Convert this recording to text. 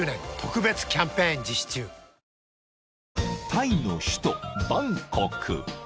［タイの首都バンコク］